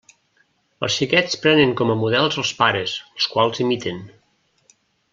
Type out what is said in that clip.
Els xiquets prenen com a models els pares, als quals imiten.